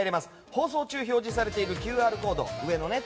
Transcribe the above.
放送中に表示されているＱＲコード。